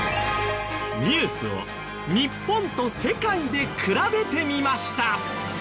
ニュースを日本と世界で比べてみました！